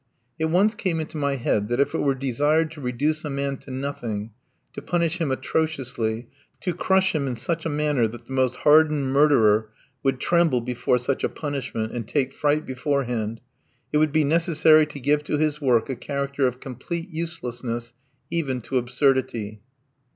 It once came into my head that if it were desired to reduce a man to nothing to punish him atrociously, to crush him in such a manner that the most hardened murderer would tremble before such a punishment, and take fright beforehand it would be necessary to give to his work a character of complete uselessness, even to absurdity.